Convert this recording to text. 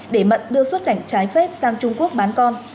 để mận đưa xuất cảnh trái phép sang trung quốc bán con